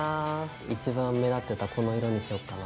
いちばん目立ってたこの色にしよっかな。